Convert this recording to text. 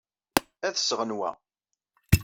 Ad d-sɣen wa.